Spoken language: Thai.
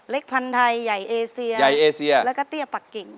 เล็กพันธุ์ไทยใหญ่เอเซียแล้วก็เตี้ยปักกิ่ง